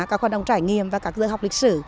các hoạt động trải nghiệm và các giới học lịch sử